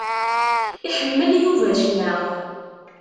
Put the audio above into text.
Iḥemmel Yuba ccna.